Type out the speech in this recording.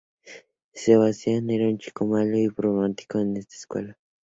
Sebastian era un chico malo y problemático en esta escuela.